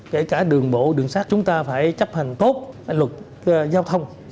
kể cả đường bộ đường sát chúng ta phải chấp hành tốt luật giao thông